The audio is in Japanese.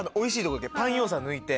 パン要素は抜いて。